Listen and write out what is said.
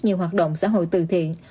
nhiều hoạt động xã hội từ thiện